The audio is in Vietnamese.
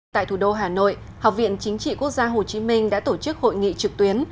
tại thủ đô hà nội học viện chính trị quốc gia hồ chí minh đã tổ chức hội nghị trực tuyến